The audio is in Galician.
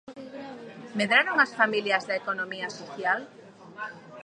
Medraron as 'familias' da economía social?